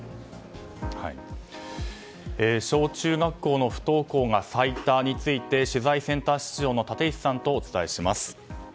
小中学校の不登校が最多について取材センター室長の立石さんとお伝えします。